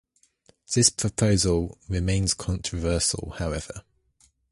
This proposal remains controversial, however.